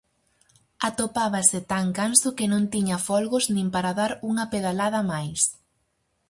Atopábase tan canso que non tiña folgos nin para dar unha pedalada máis.